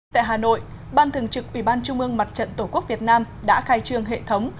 tại hà nội ban thường trực ủy ban trung ương mặt trận tổ quốc việt nam đã khai trương hệ thống